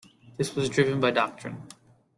This was driven by doctrine.